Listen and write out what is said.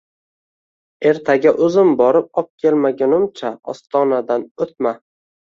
Ertaga o‘zim borib obkelmaganimcha ostonadan o‘tma!